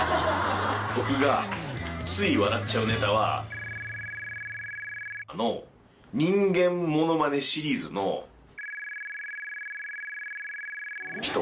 僕がつい笑っちゃうネタは、×××の人間モノマネシリーズの、×××人。